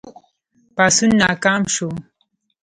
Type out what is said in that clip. پاڅون ناکام شو.